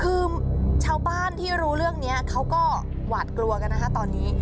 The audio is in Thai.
คือชาวบ้านที่รู้เรื่องนี้เขาก็หวาดกลัวกันนะคะตอนนี้